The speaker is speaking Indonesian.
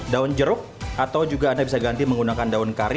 daun jeruk atau juga anda bisa ganti menggunakan daun kari